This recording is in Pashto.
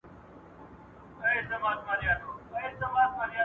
داسې نه ده